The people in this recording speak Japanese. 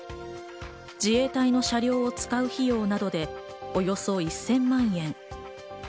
自衛隊の車両を使う費用などでおよそ１０００万円。